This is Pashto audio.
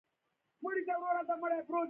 دا خو هم سخته خبره ده.